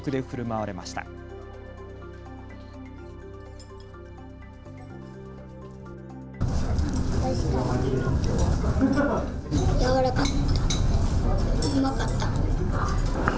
うまかった。